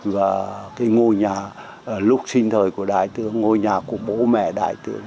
và cái ngôi nhà lúc sinh thời của đại tướng ngôi nhà của bố mẹ đại tướng